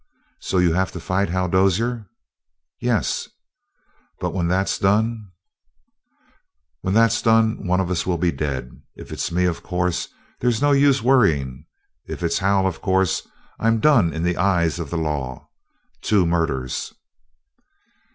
"So you have to fight Hal Dozier?" "Yes." "But when that's done " "When that's done one of us will be dead. If it's me, of course, there's no use worryin'; if it's Hal, of course, I'm done in the eyes of the law. Two murders!"